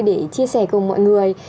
để chia sẻ cùng mọi người